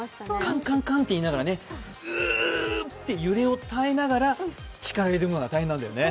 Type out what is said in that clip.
カンカンカンって言いながら、うーって力を入れるのが大変なんだよね。